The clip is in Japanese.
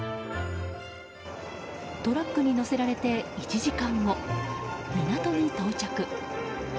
トラックに乗せられて１時間後港に到着。